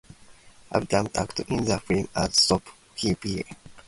Adams acted in the film as Stoned Hippie.